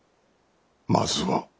まずは。